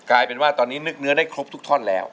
กลายเป็นว่าตอนนี้นึกเนื้อได้ครบทุกท่อนแล้ว